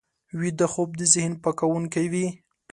ویده خوب د ذهن پاکوونکی وي